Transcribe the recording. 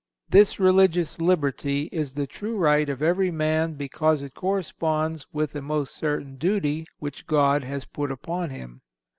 This religious liberty is the true right of every man because it corresponds with a most certain duty which God has put upon him.